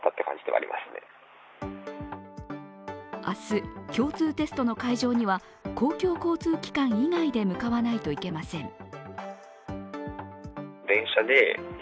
明日、共通テストの会場には公共交通機関で向かわないといけません。